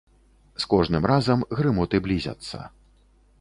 З кожным разам грымоты блізяцца.